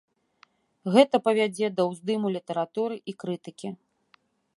Гэта павядзе да ўздыму літаратуры і крытыкі.